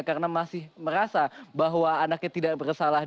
karena masih merasa bahwa anaknya tidak bersalah